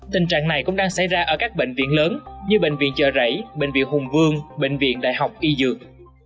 tình trạng này cũng đang xảy ra ở các bệnh viện lớn như bệnh viện chợ rẫy bệnh viện hùng vương bệnh viện đại học y dược